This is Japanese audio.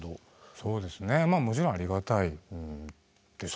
そうですねまあもちろんありがたいです。